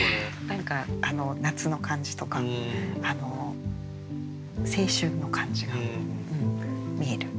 何か夏の感じとか青春の感じが見える。